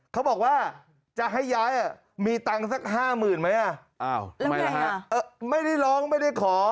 เขาบอกว่าจะให้ย้ายอ่ะมีตังค์สักห้าหมื่นไหมอ่ะอ้าวแล้วไงอ่ะไม่ได้ร้องไม่ได้ขอ